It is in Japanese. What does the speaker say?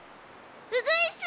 うぐいす！